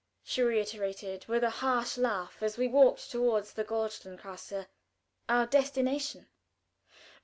she reiterated with a harsh laugh as we walked toward the Goldsternstrasse, our destination.